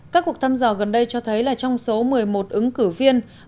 các cuộc thăm dò gần đây cho thấy là trong số một mươi một ứng cử viên